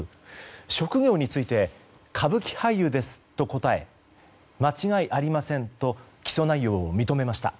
職業について歌舞伎俳優ですと答え間違いありませんと起訴内容を認めました。